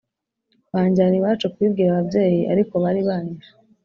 Banjyana iwacu kubibwira ababyeyi ariko bari banyishe